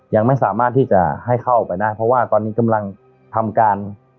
ยังไม่สามารถที่จะให้เข้าไปได้เพราะว่าตอนนี้กำลังทำการ